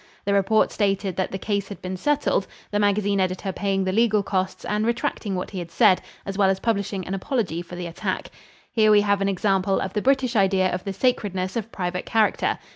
The report stated that the case had been settled, the magazine editor paying the legal costs and retracting what he had said, as well as publishing an apology for the attack. Here we have an example of the British idea of the sacredness of private character.